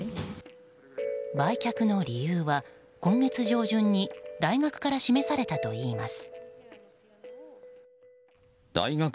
売却の理由は今月上旬に大学から示されたといいます。